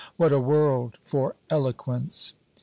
what a world for eloquence